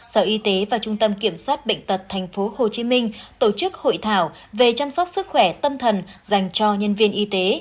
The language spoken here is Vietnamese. sở y tế và trung tâm kiểm soát bệnh tật thành phố hồ chí minh tổ chức hội thảo về chăm sóc sức khỏe tâm thần dành cho nhân viên y tế